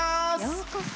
ようこそ。